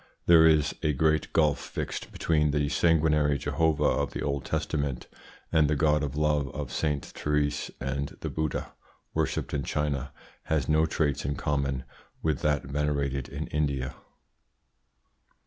There is a great gulf fixed between the sanguinary Jehovah of the Old Testament and the God of Love of Sainte Therese, and the Buddha worshipped in China has no traits in common with that venerated in India.